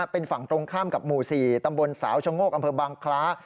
เป็นฝั่งตรงข้ามกับหมู่๔ตำบลสาวชะโงกอำเภอบางคล้า